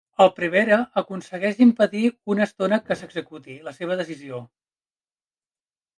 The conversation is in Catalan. El prevere aconsegueix impedir una estona que s'executi la seva decisió.